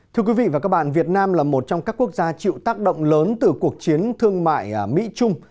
thưa quý vị và các bạn việt nam là một trong các quốc gia chịu tác động lớn từ cuộc chiến thương mại mỹ trung